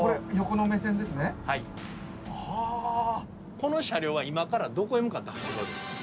この車両は今からどこへ向かって走るわけですか？